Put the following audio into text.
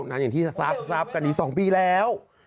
อย่างที่ทราบกันดี๒ปีแล้ว